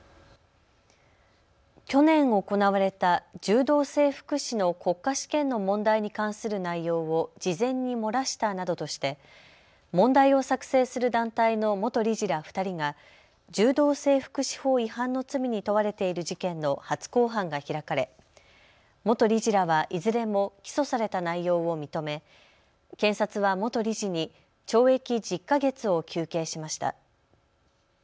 去年、行われた柔道整復師の国家試験の問題に関する内容を事前に漏らしたなどとして問題を作成する団体の元理事ら２人が柔道整復師法違反の罪に問われている事件の初公判が開かれ、元理事らはいずれも起訴された内容を認め検察は元理事に懲役１０か月を求刑しました。